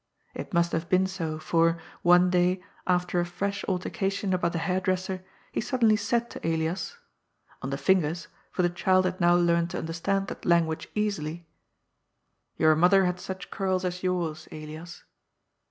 It must have been so, for, one day, after a fresh altercation about the hairdresser, he suddenly said to Elias— on the fingers, for the child had now learnt to un THB NEW LIFE BEGINa 29 derstand that language easily: ^Your mother had sach curls as yours, Elias."